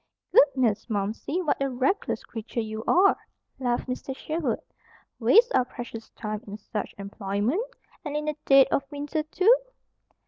"Goodness, Momsey! What a reckless creature you are," laughed Mr. Sherwood. "Waste our precious time in such employment, and in the dead of winter, too?"